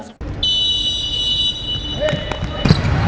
สวัสดีครับทุกคน